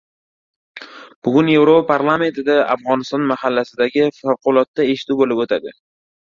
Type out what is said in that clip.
Bugun Yevropa parlamentida Afg‘oniston masalasidagi favqulodda eshituv bo‘lib o‘tadi